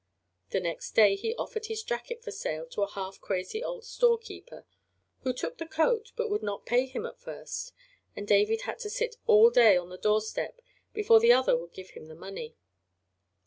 The next day he offered his jacket for sale to a half crazy old store keeper, who took the coat but would not pay him at first, and David had to sit all day on the door step before the other would give him the money.